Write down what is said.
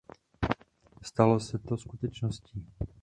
Stalo se to skutečností.